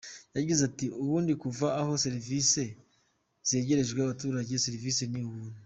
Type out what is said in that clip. Yagize ati “Ubundi kuva aho serivisi zegererejwe abaturage, serivisi ni ubuntu.